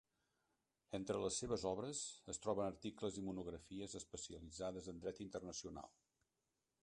Entre les seves obres es troben articles i monografies especialitzades en dret internacional.